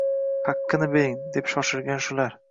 — Haqqini bering! – deb shoshirgan shular.